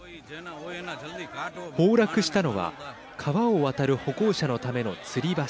崩落したのは川を渡る歩行者のためのつり橋。